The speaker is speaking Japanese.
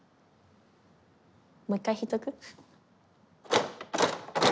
もう一回引いとく？